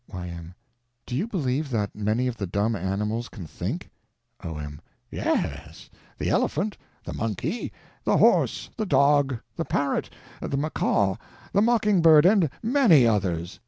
Y.M. Do you believe that many of the dumb animals can think? O.M. Yes—the elephant, the monkey, the horse, the dog, the parrot, the macaw, the mocking bird, and many others.